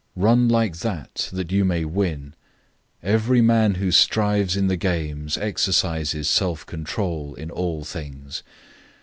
Run like that, that you may win. 009:025 Every man who strives in the games exercises self control in all things.